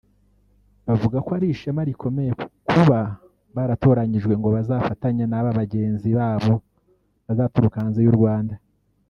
bavuga ko ari ishema rikomeye kuba baratoranyijwe ngo bazafatanye n’aba bagenzi babo bazaturuka hanze y’u Rwanda